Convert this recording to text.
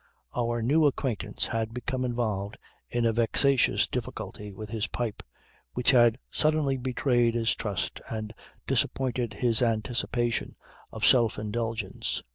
Our new acquaintance had become involved in a vexatious difficulty with his pipe which had suddenly betrayed his trust and disappointed his anticipation of self indulgence.